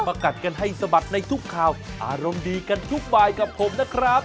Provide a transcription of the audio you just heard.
กัดกันให้สะบัดในทุกข่าวอารมณ์ดีกันทุกบายกับผมนะครับ